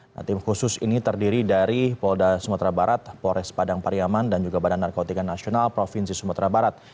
nah tim khusus ini terdiri dari polda sumatera barat pores padang pariaman dan juga badan narkotika nasional provinsi sumatera barat